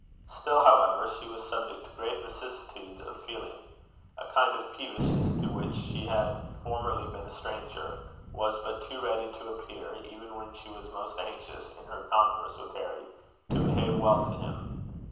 Still, however, she was subject to great vicissitudes of feeling. A kind of peevishness, to which she had formerly been a stranger, was but too ready to appear, even when she was most anxious, in her converse with Harry, to behave well to him.